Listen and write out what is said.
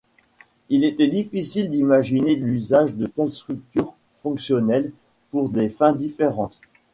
Il était difficile d'imaginer l'usage de telles structures fonctionnelles pour des fins différentes.